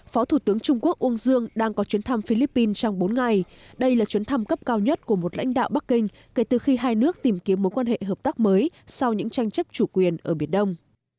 phó thủ tướng trung quốc uông dương đang có chuyến thăm philippines trong bốn ngày đây là chuyến thăm cấp cao nhất của một lãnh đạo bắc kinh kể từ khi hai nước tìm kiếm mối quan hệ hợp tác mới sau những tranh chấp chủ quyền ở biển đông